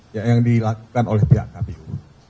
yang dilakukan oleh pihak kpu